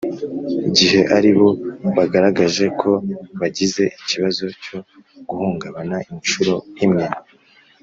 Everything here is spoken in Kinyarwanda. Gihe aribo bagaragaje ko bagize ikibazo cyo guhungabana inshuro imwe